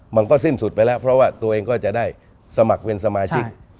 มันก็สิ้นสุดไปแล้วเพราะว่าตัวเองก็จะได้สมัครเป็นสมาชิก